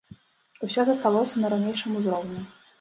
Усё засталася на ранейшым узроўні.